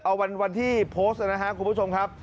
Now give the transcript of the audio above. เอาวันที่โพสต์นะครับคุณผู้ชมครับ